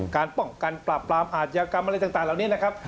การป้องกันปราบปรามอาทยากรรมอะไรต่างเหล่านี้นะครับ